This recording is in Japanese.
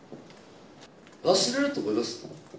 忘れると思います？